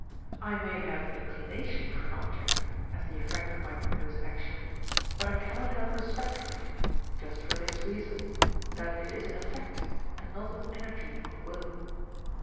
I may have inclination for an object as the effect of my proposed action, but I cannot have respect for it, just for this reason, that it is an effect and not an energy of will.